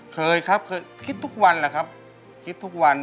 เคยครับเคยคิดทุกวันแหละครับคิดทุกวัน